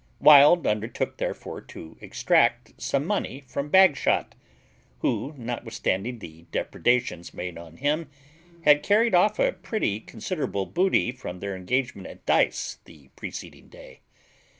Wild undertook therefore to extract some money from Bagshot, who, notwithstanding the depredations made on him, had carried off a pretty considerable booty from their engagement at dice the preceding day.